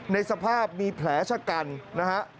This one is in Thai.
ในสภาพมีแผลชะกันนะฮะ